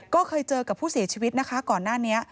ก็เคยเจอกับผู้เสียชีวิตนะคะก่อนหน้านี้